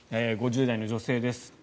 ５０代の女性です。